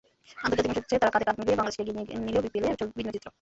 আন্তর্জাতিক ম্যাচে তাঁরা কাঁধে কাঁধে মিলিয়ে বাংলাদেশকে এগিয়ে নিলেও বিপিএলে ভিন্ন ছবি।